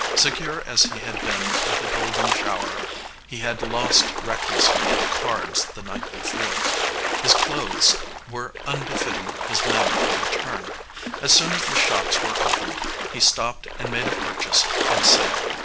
Secure as he had been of the golden shower, he had lost recklessly at cards the night before. His clothes were unbefitting his manner of return. As soon as the shops were opened he stopped and made a purchase and sale.